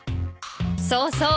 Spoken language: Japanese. そうそう。